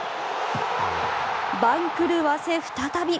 番狂わせ再び。